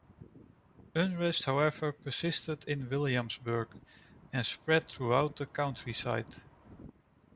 Unrest however persisted in Williamsburg and spread throughout the countryside.